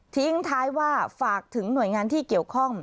ทิ้งท้ายว่าฝากถึงหน่วยงานที่เกี่ยวข้อง